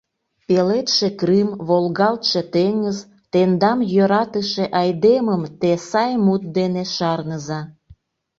Пеледше Крым, волгалтше теҥыз, Тендам йӧратыше айдемым Те сай мут дене шарныза!